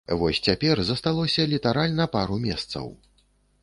Вось цяпер засталося літаральна пару месцаў.